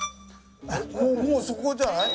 もうそこじゃない？